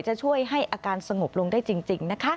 จะช่วยให้อาการสงบลงได้จริงนะคะ